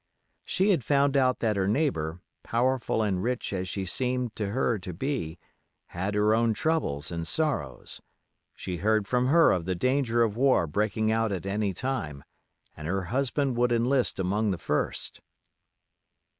She had found out that her neighbor, powerful and rich as she seemed to her to be, had her own troubles and sorrows; she heard from her of the danger of war breaking out at any time, and her husband would enlist among the first.